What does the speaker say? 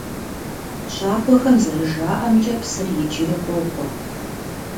ЩакӀуэхэм зэрыжаӀэмкӀэ, псыр иджыри къокӀуэ.